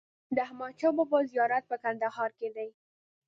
د احمد شا بابا زیارت په کندهار کی دی